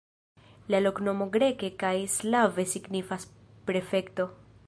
La loknomo greke kaj slave signifas "prefekto".